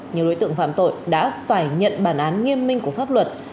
nhiều đối tượng phạm tội đã phải nhận bản án nghiêm minh của pháp luật